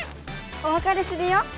おわかれするよ！